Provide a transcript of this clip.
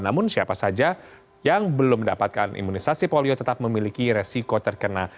namun siapa saja yang belum mendapatkan imunisasi polio tetap memiliki resiko terkena